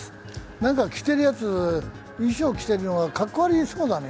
なんか着ているやつ、衣装着てるのはかっこ悪そうだね。